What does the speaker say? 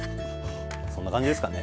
そんな感じですかね。